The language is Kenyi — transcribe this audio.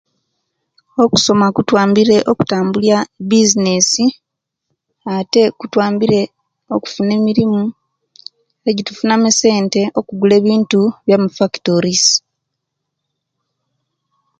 Okusoma kutwambire okutambula ebizinesi, ate kutwambire okufuna emirimu ejetufunamu esente okugula ebintu ebya mufactories